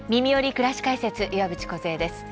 くらし解説」岩渕梢です。